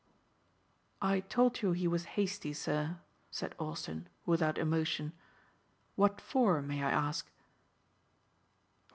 "I told you he was hasty, sir," said Austin without emotion. "What for may I ask?"